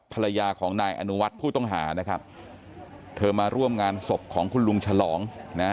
ภรรยาของนายอนุวัฒน์ผู้ต้องหานะครับเธอมาร่วมงานศพของคุณลุงฉลองนะ